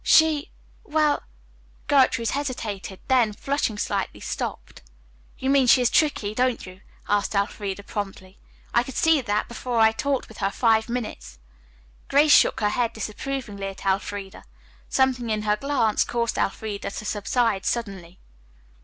She well " Gertrude hesitated, then, flushing slightly, stopped. "You mean she is tricky, don't you?" asked Elfreda promptly. "I could see that before I talked with her five minutes." Grace shook her head disapprovingly at Elfreda. Something in her glance caused Elfreda to subside suddenly.